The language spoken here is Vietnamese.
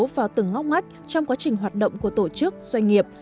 vào từng ngóc ngách trong quá trình hoạt động của tổ chức doanh nghiệp